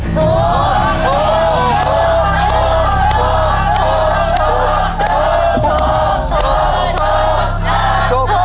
ถูกถูกถูก